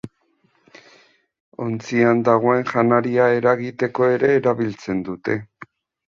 Ontzian dagoen janaria eragiteko ere erabiltzen dute.